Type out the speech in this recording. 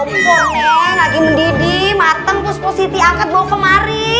maksudnya dari komponen lagi mendidih mateng terus positi angkat bawa kemari